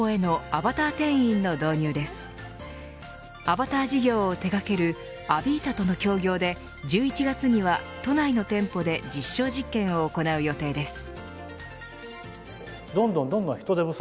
アバター事業を手掛けるＡＶＩＴＡとの協業で１１月には都内の店舗で実証実験を行う予定です。